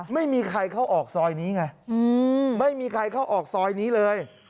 ไม่มีใครเข้าออกซอยนี้ไงไม่มีใครเข้าออกซอยนี้เลย